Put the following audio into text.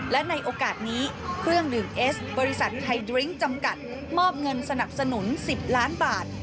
และในโอกาสนี้เครื่องหนึ่งเอสบริษัทไทยดริ้งจำกัดมอบเงินสนับสนุน๑๐ล้านบาท